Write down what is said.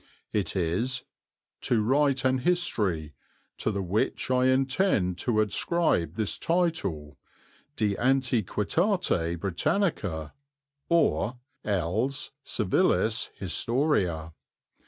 It is "to write an History, to the which I entende to adscribe this Title, De Antiquitate Britannica or els Civilis Historia.